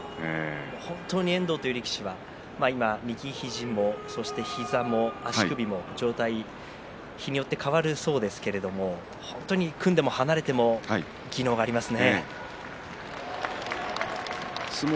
遠藤という力士は右肘も、そして膝も足首も、状態日によって変わるそうですけれど本当に組んでも離れても技能がありますね。